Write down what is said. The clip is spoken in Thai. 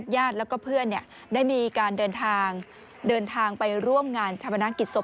ญาติแล้วก็เพื่อนได้มีการเดินทางเดินทางไปร่วมงานชาวพนักกิจศพ